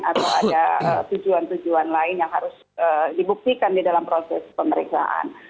atau ada tujuan tujuan lain yang harus dibuktikan di dalam proses pemeriksaan